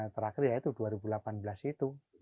yang terakhir ya itu dua ribu delapan belas itu